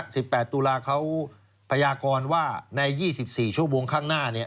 สิบแปดตุลาเขาพญากรว่าใน๒๔ชั่วโมงข้างหน้านี้